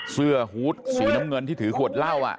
เสื้อหุดสีน้ำเงินที่ถือขวดเหล้า